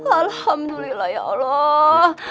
alhamdulillah ya allah